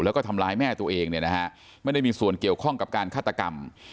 แล้วก็ทำร้ายแม่ตัวเองเนี่ยนะฮะไม่ได้มีส่วนเกี่ยวข้องกับการฆาตกรรม